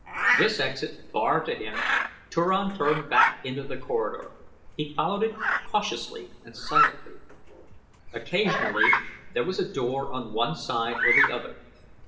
This exit barred to him Turan turned back into the corridor. He followed it cautiously and silently. Occasionally there was a door on one side or the other.